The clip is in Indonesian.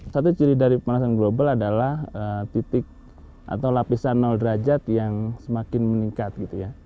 satu ciri dari pemanasan global adalah titik atau lapisan nol derajat yang semakin meningkat